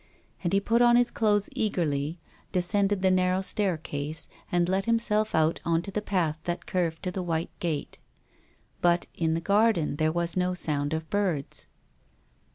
And he put on his clothes eagerly, descended the narrow staircase, and let himself out on to the path that curved to the white gate. But, in the garden there was no sound of birds.